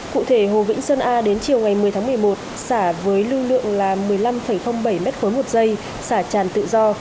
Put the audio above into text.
cụ thể hồ vĩnh sơn a đến chiều ngày một mươi tháng một mươi một xả với lưu lượng là một mươi năm bảy m ba một giây xả tràn tự do